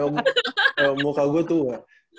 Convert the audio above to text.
kalau muka gue tua